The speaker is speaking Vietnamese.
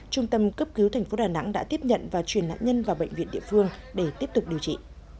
trung tâm cấp cứu thành phố đà nẵng đã tiếp nhận và chuyển nạn nhân vào bệnh viện địa phương để tiếp tục điều trị